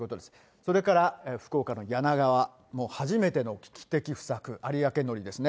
それから福岡の柳川、初めての危機的不作、有明のりですね。